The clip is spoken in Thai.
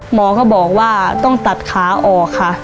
หมอก็บอกว่าต้องตัดขาออกค่ะ